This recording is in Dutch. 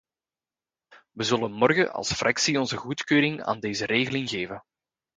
Wij zullen morgen als fractie onze goedkeuring aan deze regeling geven.